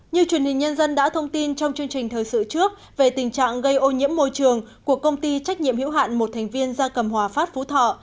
như truyền hình nhân dân đã thông tin trong chương trình thời sự trước về tình trạng gây ô nhiễm môi trường của công ty trách nhiệm hữu hạn một thành viên gia cầm hòa phát phú thọ